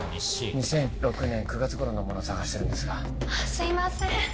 ２００６年９月頃のもの探してるんですがあっすいません・